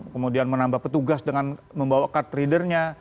kemudian menambah petugas dengan membawa card readernya